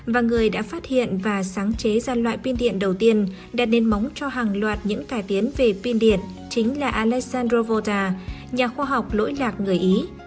và người đã phát hiện và sáng chế ra loại pin điện đầu tiên đặt nền móng cho hàng loạt những cải tiến về pin điện chính là alessan rovota nhà khoa học lỗi lạc người ý